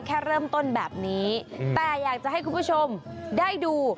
แค่เริ่มต้นแบบนี้แต่อยากจะให้คุณผู้ชมได้ดู